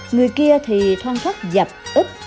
người kia thì thoang thoát dập ức